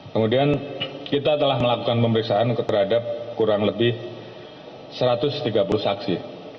kemudian kita telah melakukan pemeriksaan terhadap kurang lebih satu ratus tiga puluh saksi